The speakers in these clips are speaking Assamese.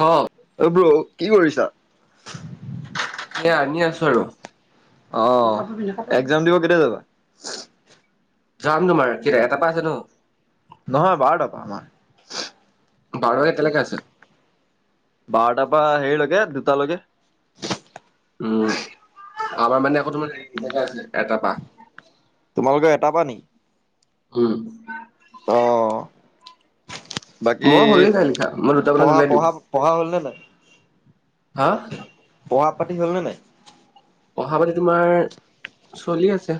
ক অ ব্ৰৌ কি কৰিছা? সেইয়া আনি আছো আৰু। আহ একজাম দিব কেতিয়া যাবা? যাম তোমাৰ কেতিয়া এটা পা আছে নো? নহয় বাৰটা পা আমাৰ। বাৰ এটালেকে আছে। বাৰটাপা হেৰি লৈকে- দুটালৈকে। উম' আমাৰ মানে আকৌ তোমাৰ আছে এটাৰ পাহ। তোমালোকে এটা পাহ নেকি? উম। অঁ বাকী মই হৈয়ে যায় লিখা মই দুটা মানত পঢ়া, ওলাই পঢ়া, পঢ়া হ'ল নে নাই? হাঁ পঢ়া- পাতি হ'ল নে নাই? পঢ়া- পাতি তোমাৰ চলি আছে।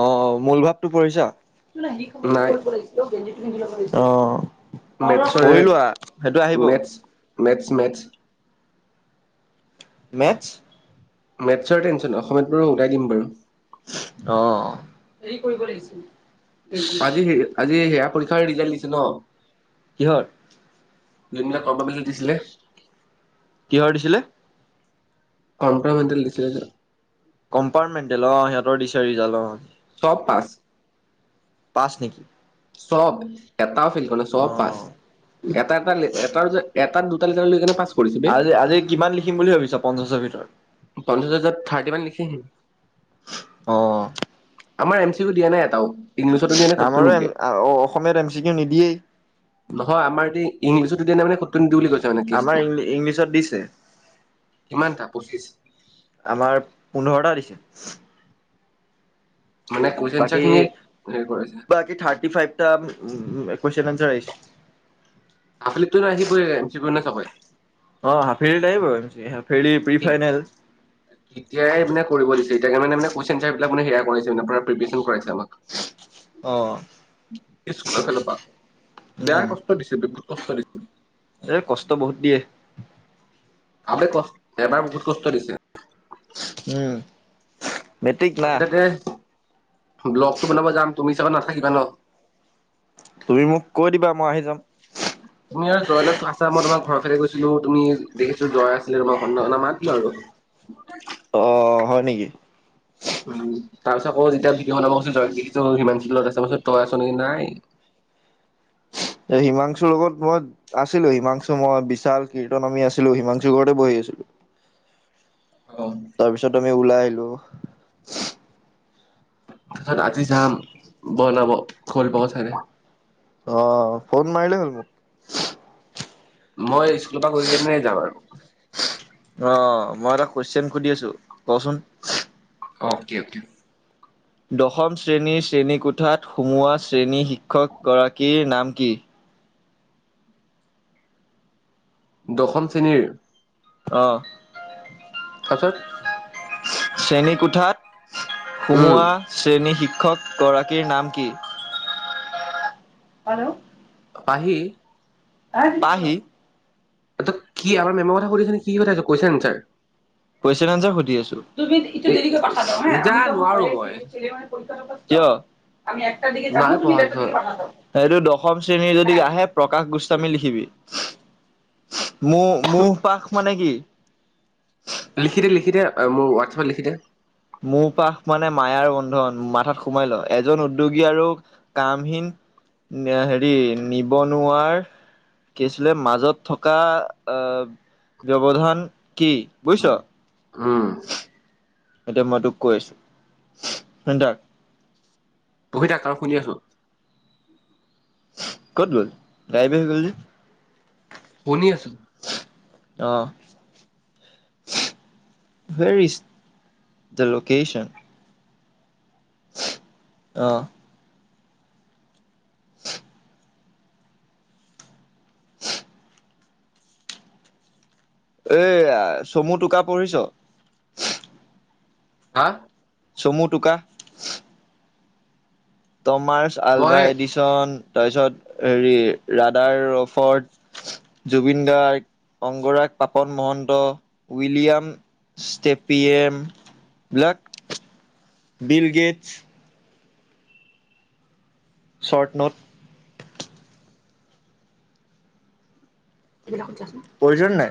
অঁ অঁ মূল ভাৱটো পৰিছা নাই [unintelligible] অঁ মেথচৰ মেথচ, মেথচ মেথচ। মেথছৰ টেনচন অসমীয়াত বাৰু উটাই দিম বাৰু। অঁ এই কৰিব লাগিছিল। আজি, আজি সেয়া পৰীক্ষা- ৰিজাল্ট দিছে ন। কিহৰ? যোনবিলাক কম্পালমেচন দিছিলে। কাৰ‌ দিছিলে কম্পমেণ্টেল লিষ্টিলে য কম্পাৰ্টমেণ্টেল অ সিহঁতৰ দিছে ৰিজাল্ট অপাঁচ পাছ নেকি চব এটাও এ অ [unintelligible] তিনিটা লেটাৰ পাছ কৰিছে বে আজি আজি কিমান লিখিম বুলি ভাবিছা পঞ্চাছৰ ভিতৰত পঞ্চাছ হাজাৰ, থাৰ্টিন মান লিখি আহিম অঁ আমাৰ এম, চি কিওদিযা নাই এটাও। ইংলিছতো দিয়া নাই ক'তো আমাৰো নিদিয়ে অসমীয়াত এম, চি, কিও নিদিয়েই। নহয় আমাৰ এতিয়া ইংলিছতো দিয়া নাই মানে কতো নিদিওঁ বুলি কৈছে। মানে কেছটো আমাৰ ই ইংলিছত দিছে। কিমানটা পঁচিছ আমাৰ পোন্ধৰটা দিছে। মানে কুৱেশন এনচাৰ বাকি, খিনি হেৰি কৰিছে বাকি থাৰ্টি ফাইভ টা উম' কুৱেশ্যন আনছাৰ আহিছে। আফীলিত তো ন আহিবই এম, চি, পি নে চবই। [unintelligible] অঁ হাফিলিত আহিবই হাফিলিত প্ৰি ঠিক ফাইনল তেতিয়াই মানে কৰিব দিছে মানে কুইৱেছন আনচাৰি বিলাক পুৰা পিপেৰেছন কৰাই ছে আমাক অ স্কুলৰ ফালৰ পৰা, বেয়া কষ্ট দিছে দিছে এ কষ্ট বহুত দিয়ে। আ কষ্ট এবাৰ বহুত কষ্ট দিছে। উম মেট্ৰিক না আজি তাতে ব্লগটো বনাব যাম তুমি চাগে নাথাকিবা ন তুমি মোক কৈ দিবা মই আহি যাম তুমি আৰু জয়লত আছা মই তোমাৰ ঘৰ ফালেৰে গৈছিলো তুমি দেখিছো জয় আছিলে তোমাক নামাতিলো আৰু অ হয় নেকি তাৰ পিছত আকৌ যেতিয়া ভিডিঅ' বনাবলৈ গৈছিলোঁ, মই বোলো তই আছ নেকি নাই যে হিমাংশুৰ লগত মই আছিলো হিমাংশু মই বিশাল কীৰ্তন আমি আছিলো হিমাংশুৰ ঘৰতে বহি আছিলো। অ তাৰপিছত আমি ওলাই আহিলো তাৰপিছত আজি যাম বল ব খল বহত চাইতে আহ ফোন মাৰিলেই হ'ল মোক মই গৈ কিনে যাও আৰু অ মই এটা কুইছন সুধি আছো কচোন অকে অকে দশম শ্ৰেণীৰ শ্ৰেণীকোঠাত সুমোৱা শ্ৰেণী শিক্ষক গৰাকীৰ নাম কি? দশম শ্ৰেণীৰ আহ তাৰপিছত শ্ৰেণী কোঠাত উম সুমোৱা শ্ৰেণী শিক শিক্ষক গৰাকীৰ নাম কি? পাহি পাহি ত কি আমাৰ মেমৰ কথা সুধিছে নে কি কথাছ কৈছে কুৱেনচন আনচাৰ কুইছন আনচাৰ সুধি আছো, এ যা নোৱাৰো মই কিয়? আমি একটা দিক যাম নাই তুমি পঢ়া দু একটা দি ছাৰ। দে বানা যাব সেইটো দশম শ্ৰেণীৰ যদি আহে প্ৰকাশ গোস্বামী লিখিবি মু মু পাশ মানে কি? লিখি দে লিখি দে মোৰ হোৱাটছএপত লিখি দে মৌ পাশ মানে মায়াৰ বন্ধন মাথাত সোমাই ল, এজন উদ্যোগী আৰু কামহীন হেৰি নিবনুৱাৰ কি আছিলে মাজত থকা আহ ব্যৱধান কি? বুজিছ। উম। এতিয়া মই তোক কৈ আছো। শুনি থাক। পঢ়ি থাক আৰু শুনি আছো। ক'ত গ'ল গাইব গ'ল যে। শুনি আছোঁ। অ হেৰ ইজ দ লকেশেন আহ। এয়া চমু টোকা পঢ়িছ? হা। চমু টোকা। তমাৰ্চ মই আলভা এডিচন তাৰপিছত হেৰি ৰাধাৰ ৰফৰ্ড, জুবিন গাৰ্গ, অংগৰাগ পাপন মহন্ত, উইলিয়াম ষ্টেপিয়েম বিলাক বিল গেটছ। Short note. প্ৰয়োজন নাই।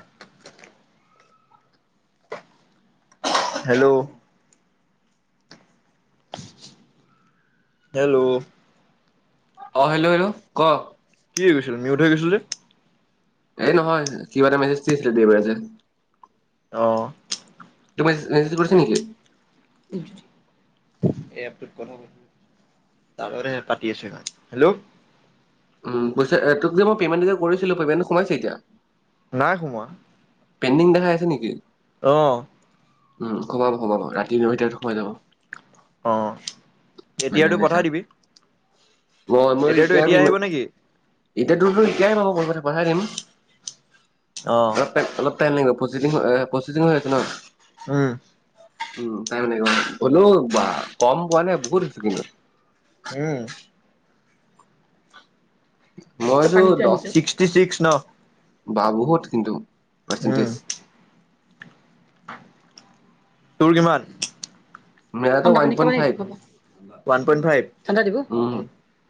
হেল্ল' হেল্ল' অ হেল্ল' হেল্ল' ক? কি কৈছিলি? মিউট হৈ গৈছিল যে। এই নহয় কিবা এটা মেছেজ দিছিলে দেওবাৰ যে অ তুমি মেছেজ কৰি থৈছে নেকি? এ এপটোত কথা পাতো তাৰতে পাতি আছো মই হেল্ল' উম পইছা তোক যে মই পেমেণ্ট এ কৰিছিলো পেমেণ্টটো সোমাইছে এতিয়া। নাই সোমোৱা। পেণ্ডিং দেখাই আছে নেকি? আহ। উম সোমাব সোমাব ৰাতি নশটাত সোমাই যাব। অ মানে এতিয়াতো এনেকা পঠাই দিবি। মই মই এতিয়াৰটো এতিয়া আহিব নেকি এতিয়োতো এতিয়াই পঢ়িব পঠাই দিম। অ অলপ টাইম অলপ ফেনলিঙ প্ৰচেদিঙ হৈ প্ৰচেিং হৈ আছে ন উম উম তাই মানে হ'লেও বা কম পোৱা নাই বহুত হৈছে কিন্তু। উম মইতো দহ ছিক্সটি ছিক্স ন। বা, বহুত কিন্তু, উম পাৰ্চেণ্টেজ। তোৰ কিমান? মেৰাটো ঠাণ্ডা ওৱান পানী পইণ্ট খাবা নে ফাইভ এইটো খাবা? ৱান পইন্ট ফাইভ, ঠাণ্ডা দিব উম।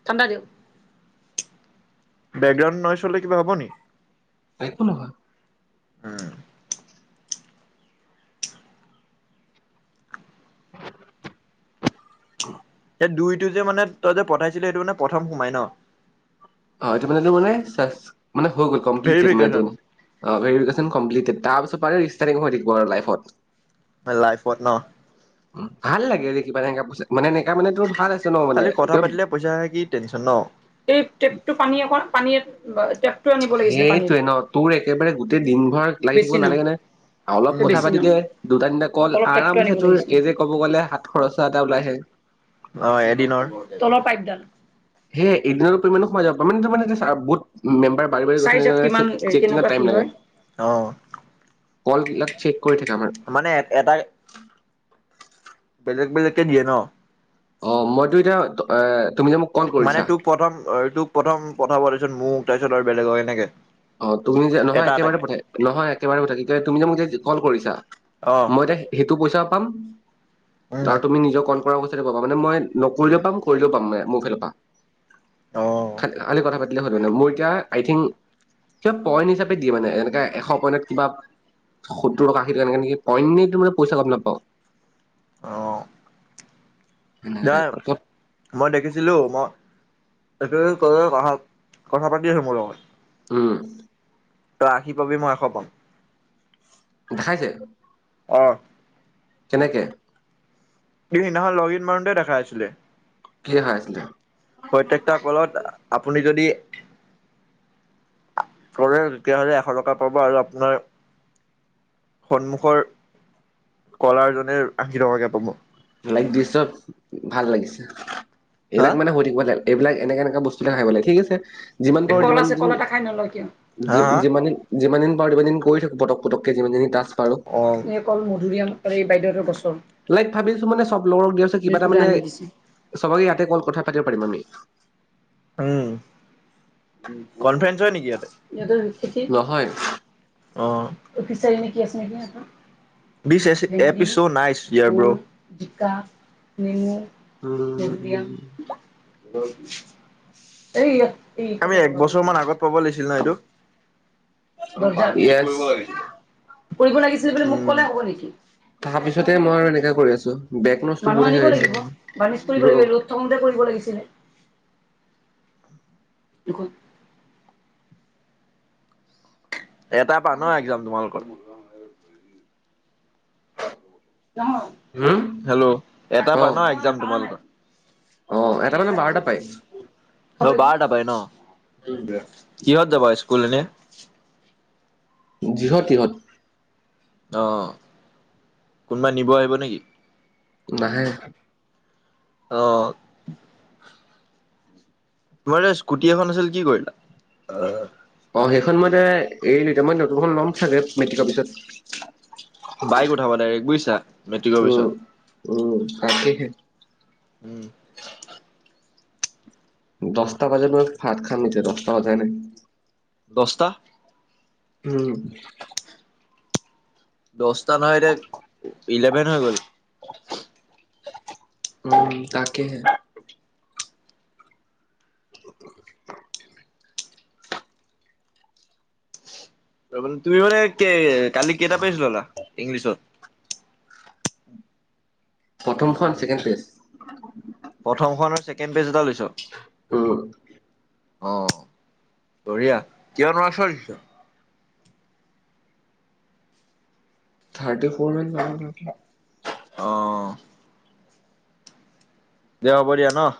ঠাণ্ডা দিয়ক, বেকগ্ৰাউণ্ড নইচ হলে কিবা হব নি? একো নহয়। উম। [inaudible] এই দুইটো যে মানে তই যে পঠাইছিলি সেইটো মানে প্ৰথম সোমাই ন। অ', এইটো মানে তোৰ মানে চাচ মানে হৈ গল কমপ্লিটটেট মানে ভেৰিফিকেশ্যন এইটো, ভেৰিফিকেচন কমপ্লিটেট তাৰ পি চ পাৰে ষ্টাৰ্টিং হৈ থাকিব আৰু লাইফত। লাইফত ন? উম, ভাল লাগে ৰে কিবা এনেকা পইছা মানে এনেকা মানে তোৰ ভাল আছে। ন মানে খালি কথা কিয় পাতিলে পইচা কি টেনচন ন। এই টে টো পানী অকন পানী লৈ সেইটোৱে ন তোৰ একেবাৰে গোটেই দিন ভৰ লাগি থাকিব বেচিন। নালাগে নহয়, অলপ কথা বেচিন পাতিলে দুটা তিনটা কল তলৰ টেপটো আনিব আৰামছে তোৰ লাগিছিলে। এই যে ক'ব গলে হাত খৰচা এটা ওলাই আহে। অ', এদিনৰ তলৰ পাইপডাল। সেয়ে এদিনৰো পৰিমাণে সোমাই যাব পাৰে তাৰামানে বহুত মেম্বাৰ বাঢ়ি বাঢ়ি গৈছে চাইজত নে কিমান চেক চেকত কেনেকুৱা কি টাইম লাগে হয়। অ' কল বিলাক চেক কৰি থাকে আমাৰ। মানে এটা বেলেগ, বেলেগকে দিয়ে ন। অ মইতো, এতিয়া এ মানে তোক প্ৰথম, তোক প্ৰথম পঠাব তাৰপিছত মোক তাৰ পিছত আৰু বেলেগ হয় এনেকে। অ তুমি যে নহয় এটা একেবাৰে এটাকে পঠা নহয় একেবাৰে পঠায় কি তুমি যে মোক যে কল কৰিছা অ মই এতিয়া সেইটো পইচা পাম। উম। [inaudible] উম আৰু তুমি নিজৰ কল ৰ পইছা পাবা। মানে মই নকৰিলেও পাম কৰিলেও পাম মানে মোৰ ফালৰ পৰা। অ খাল আলি কথা পাতি মোৰ এতিয়া, আই থিংক কিবা পইণ্ট হিচাপে দিয়ে মানে। এনেকে, এশ পইণ্টত কিবা সত্তৰ টকা, আশী টকা এনেকে নেকি পইণ্ট নে কিবা পইচা গম নাপাওঁ। অহ'। সেনেকা নাই টাইপৰ ত মই দেখিছিলো। ম তাতে কলে কথা, কথা পাতি আছো মোৰ লগত। উম। তই আশি পাবি, মই এশ পাম। খাইছে। অ'। কেনেকে সি সিনাখন লগ ইন মাৰোতে দেখাই আছিলে কি দেখাই আছিলে প্ৰত্যেকটা কলত আপুনি যদি কৰে তেতিয়াহলে এশ টকা পাব আৰু আপোনাৰ সন্মুখৰ কলাৰজনে আশী টকাকে পাব লাই দি চব ভাল লাগিছে হা এবিলাক মানে হৈ থাকিব লাগ এইবিলাক এনেকা এনেকা বস্তুবিলাক আহে মানে ঠিক আছে যিমান পাৰো কল যিমান আছে দিন কল এটা খাই নলয় কিয় যি হা হা যিমান দিন যিমান দিন পাৰো সিমান দিন কৰি থাকো পটকে পটকে যিমানদিনি টাস্ক পাৰো। অ অকল মধুৰিআম এই বাইদেউৰ গছৰ লাইক ভাবিছো মানে সব লগক দিয়াছে কিবা এটা ইউটিউবত মানে আনি দিছে। সবকে ইয়াতে কল কথা পাব পাৰি মানি উম কনফাৰেন্স হয় নিকি ইয়াতে ইয়াতে নাথাকে নহয় অঁ অফিচেল নে কি আছে এনেকে আছে বি এচিচ এপিচৌ নাইছ্ ইয়াবৌ বিকা মেনো হ উম হ এই এ ই আমি এক বছৰ মান আগত পাব লাগিছিল ন এইটো মোক চাৰ্ভিছ য়েছ। কৰিব লাগিছিলে তোকো লাগিছিলে যদি মোক কলেই হ হ নিকি তাৰ পিছতে মই আৰু এনেকে কৰি আছো বেক নচটো মানুহ বহুত আহি আনিব আছে লাগিব বানিজ কৰিব ব্ৰ লাগিব ৰ'দ থাকোতে কৰিব লাগিছিলে দেখোন এটাৰ পৰা ন এক্জাম তোমালোকৰ হুম। হেল্ল' এটা অ পা ন এক্জাম তোমালোকৰ অ এটা মানে বাৰটা পায় আ বাৰ টা পাই ন কিহত যাবা স্কু ইস্কুললে যিহঁত তিহত অ কোনোবা নিব আহিব নিকি নাহে অঁ তোমাৰ এই স্কুটি এখন আছিল কি কৰিলা। আহ অ সেইখন মই এতিয়া এৰিলোঁ মই নতুনখন ল'ম চাগে মেট্ৰিকৰ পিছত। বাইক উঠাবা ডাইৰেক বুজিছা মেট্ৰিকৰ পিছত উম। উম তাকেহে উম দচটা বাজি লওক ভাত খাম এতিয়া দহটা বাজাই নাই। দছটা উম দস নহয় এতিয়া ইলেভেন হৈ গল। উম তাকে হে তুমি মানে কালি কেইটা পেজ ললা ইংলিছত। প্ৰথমখন ছেকেণ্ড পেষ্ট। প্ৰথমখনৰ ছেকেণ্ড পেজ এটা লৈছ। অ অহ বঢ়িয়া কিয়ৰা ছোৱালছ থাৰটি ফৰ নে কিমান অহ দেহ হব দিয়া ন।